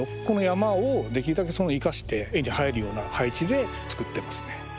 この山をできるだけ生かして画に入るような配置で作ってますね。